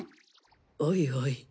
おいおい。